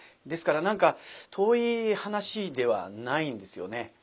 ですから何か遠い話ではないんですよね。